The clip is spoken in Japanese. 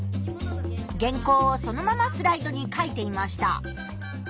原稿をそのままスライドに書いていました。